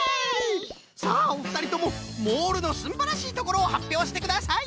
さあおふたりともモールのすんばらしいところをはっぴょうしてください！